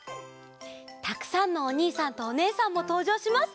たくさんのおにいさんとおねえさんもとうじょうします。